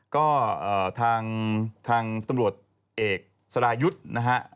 ก็ทางตำรวจเอกสรายุทธ์นะฮะ